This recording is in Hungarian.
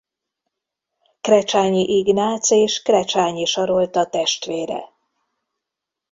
Krecsányi Ignác és Krecsányi Sarolta testvére.